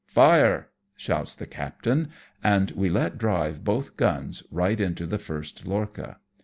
"Fire," shouts the captain, and we let drive both guns right into the first lorcha.